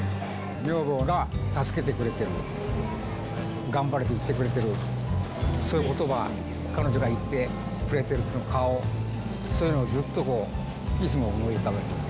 女房が助けてくれてる、頑張れと言ってくれてる、そういうことば、彼女が言ってくれてる顔、そういうのをずっといつも思い浮かべる。